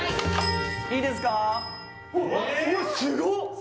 いいですか？